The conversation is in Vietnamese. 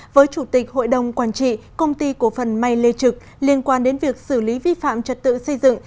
với chủ tịch hội đồng quản trị công ty cổ phần may lê trực liên quan đến việc xử lý vi phạm trật tự xây dựng